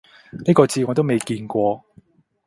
呢個字我都未見過